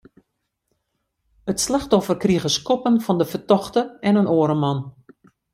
It slachtoffer krige skoppen fan de fertochte en in oare man.